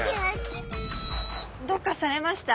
どうかされました？